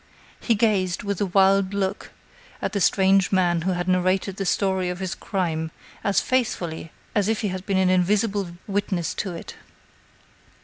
He gazed, with a wild look, at the strange man who had narrated the story of his crime as faithfully as if he had been an invisible witness to it.